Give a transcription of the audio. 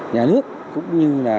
nhà nước cũng như là